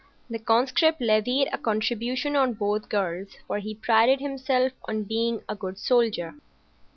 The conscript levied a contribution on both gifts; for he prided himself on being a good soldier.